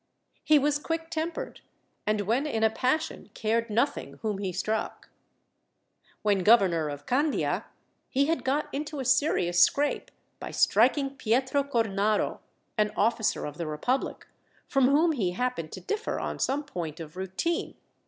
He was quick tempered, and when in a passion cared nothing whom he struck. When governor of Candia, he had got into a serious scrape, by striking Pietro Cornaro, an officer of the republic, from whom he happened to differ on some point of routine.